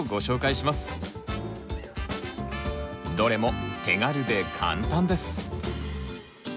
どれも手軽で簡単です！